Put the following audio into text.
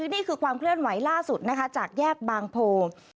นี่คือความเคลื่อนไหวล่าสุดนะคะจากแยกบางโพง